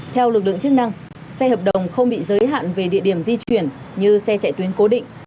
theo lực lượng chức năng xe hợp đồng không bị giới hạn về địa điểm di chuyển như xe chạy tuyến cố định